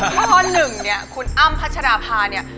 เพราะ๑เนี่ยคุณอ้ำพัชราภาเนี่ย